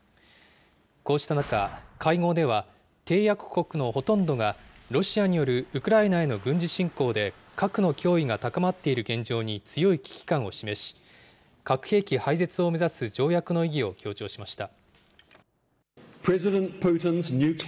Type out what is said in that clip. こうした中、会合では、締約国のほとんどが、ロシアによるウクライナへの軍事侵攻で、核の脅威が高まっている現状に強い危機感を示し、核兵器廃絶を目指す条約の意義を強調しました。